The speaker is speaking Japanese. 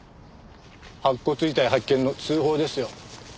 白骨遺体発見の通報ですよ。